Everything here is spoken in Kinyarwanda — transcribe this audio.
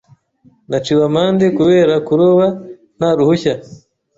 Naciwe amande kubera kuroba nta ruhushya.